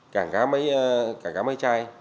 cảng cá máy cảng cá máy trai